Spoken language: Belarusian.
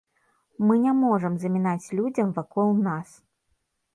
Мы не можам замінаць людзям вакол нас.